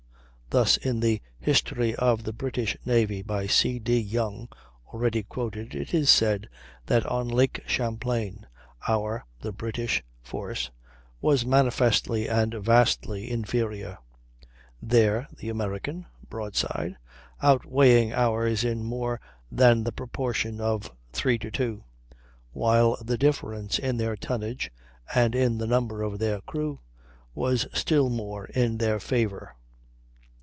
Thus, in the "History of the British Navy," by C. D. Yonge (already quoted), it is said that on Lake Champlain "our (the British) force was manifestly and vastly inferior, their (the American) broadside outweighing ours in more than the proportion of three to two, while the difference in their tonnage and in the number of their crews was still more in their favor."